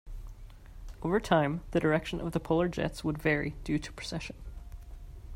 Over time, the direction of the polar jets would vary due to precession.